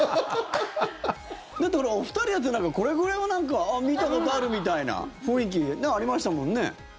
だって、お二人だってこれぐらいはなんか見たことあるみたいな雰囲気、ありましたもんね。